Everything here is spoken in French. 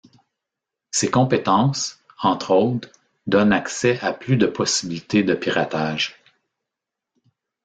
Ces compétences, entre autres, donnent accès à plus de possibilités de piratage.